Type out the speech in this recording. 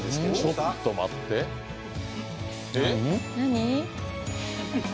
ちょっと待って何？